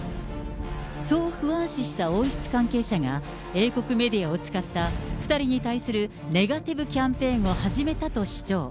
そう不安視した王室関係者が、英国メディアを使った、２人に対するネガティブキャンペーンを始めたと主張。